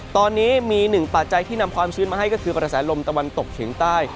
ตอนนี้มีหนึ่งปัจจัยที่นำความชื้นมาให้ก็คือกระแสลมตะวันตกเฉียงใต้